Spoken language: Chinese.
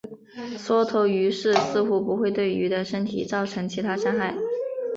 缩头鱼虱似乎不会对鱼的身体造成其他伤害。